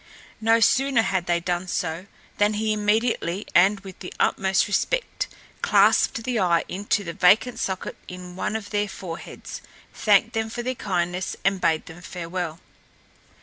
No sooner had they done so than he immediately and with the utmost respect clapped the eye into the vacant socket in one of their foreheads, thanked them for their kindness and bade them farewell.